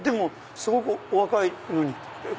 すごくお若いのに。